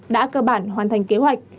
đã cơ bản hoàn thành kế hoạch